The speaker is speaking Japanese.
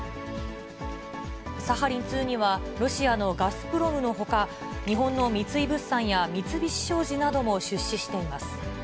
サハリン２には、ロシアのガスプロムのほか、日本の三井物産や三菱商事なども出資しています。